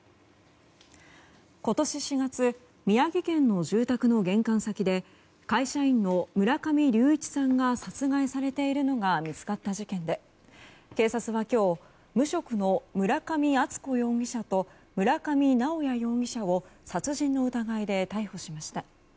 今年４月宮城県の住宅の玄関先で会社員の村上隆一さんが殺害されているのが見つかった事件で警察は今日、無職の村上敦子容疑者と村上直哉容疑者を殺人の疑いで逮捕しました。